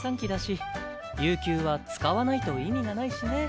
有休は使わないと意味がないしね。